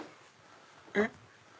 えっ？